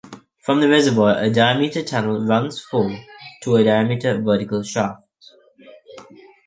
From the reservoir, a diameter tunnel runs for to a diameter vertical shaft.